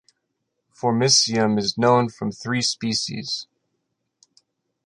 "Formicium" is known from three species.